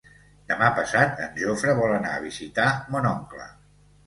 Demà passat en Jofre vol anar a visitar mon oncle.